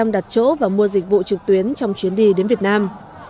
sáu mươi bốn đặt chỗ và mua dịch vụ trực tuyến trong chuyến đi đến việt nam